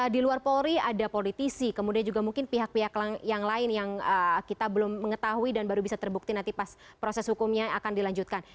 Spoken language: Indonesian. di luar polri ada politisi kemudian juga mungkin pihak pihak yang lain yang kita belum mengetahui dan baru bisa terbukti nanti pas proses hukumnya akan dilanjutkan